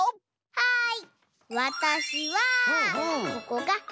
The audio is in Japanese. はい！